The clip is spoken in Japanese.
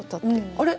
あれ？